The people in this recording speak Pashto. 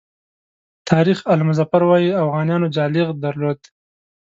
تاریخ آل مظفر وایي اوغانیانو جالغ درلود.